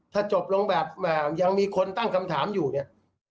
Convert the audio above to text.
ถ้าจบลงแบบยังมีคนตั้งคำถามอยู่เนี่ย